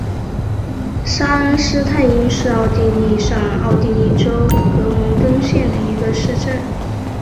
沙恩施泰因是奥地利上奥地利州格蒙登县的一个市镇。